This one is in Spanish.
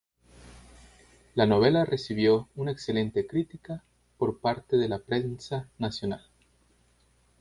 La novela recibió una excelente crítica por parte de la prensa nacional.